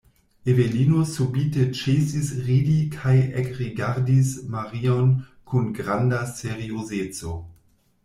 Evelino subite ĉesis ridi kaj ekrigardis Marion kun granda seriozeco.